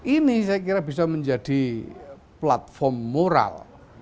ini saya kira bisa menjadi platform moral